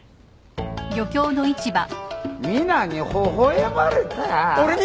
ミナにほほ笑まれた？